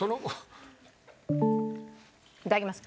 いただきます。